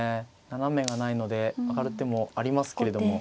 斜めがないので上がる手もありますけれども。